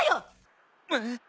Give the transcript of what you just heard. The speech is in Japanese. えっ？